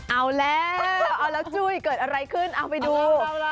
เอาแล้วเอาแล้วจุ้ยเกิดอะไรขึ้นเอาไปดู